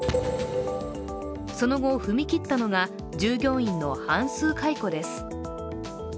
その後、踏み切ったのが従業員の半数解雇です。